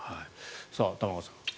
玉川さん。